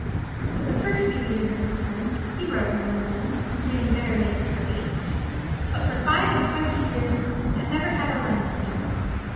"For the first few years of his time, he wrote now and then, complaining bitterly of his fate; but for five and twenty years I've never had a line from him.